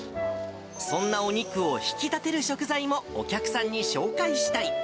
そんなお肉を引き立てる食材も、お客さんに紹介したい。